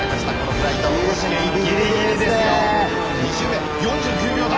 ２周目４９秒台。